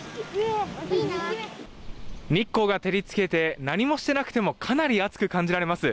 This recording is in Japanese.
日光が照り付けて何もしてなくてもかなり暑く感じられます。